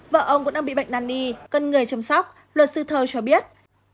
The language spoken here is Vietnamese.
vợ ông cũng đang bị bệnh năn y cần người chăm sóc luật sư thơ cho biết